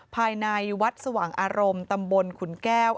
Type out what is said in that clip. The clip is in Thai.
ภายในวัดสว่างอารมณ์ตำบลขุนแก้ว